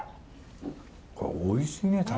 これおいしいね。